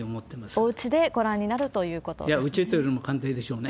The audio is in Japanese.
おうちでご覧になるということですね？